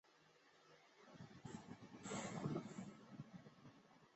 邻近的圣阿加莎教堂也遭受了一些损毁。